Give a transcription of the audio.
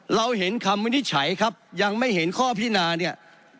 เราเห็นคำวินิจฉัยครับยังไม่เห็นข้อพินาเนี่ย